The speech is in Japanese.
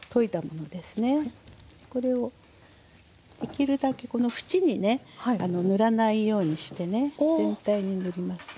これをできるだけこの縁にね塗らないようにしてね全体に塗りますね。